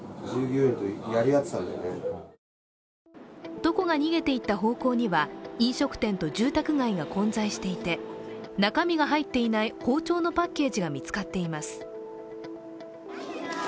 男が逃げていった方向には飲食店と住宅街が混在していて中身が入っていない包丁のパッケージが見つかっています。